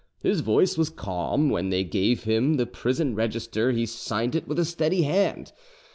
His voice was calm, and when they gave him they prison register he signed it with a steady hand.